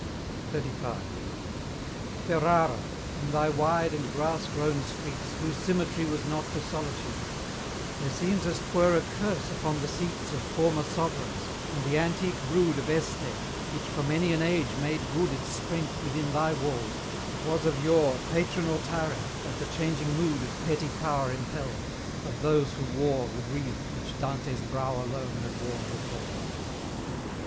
XXXV. Ferrara! in thy wide and grass grown streets, Whose symmetry was not for solitude, There seems as 'twere a curse upon the seat's Of former sovereigns, and the antique brood Of Este, which for many an age made good Its strength within thy walls, and was of yore Patron or tyrant, as the changing mood Of petty power impelled, of those who wore The wreath which Dante's brow alone had worn before.